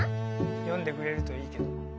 よんでくれるといいけど。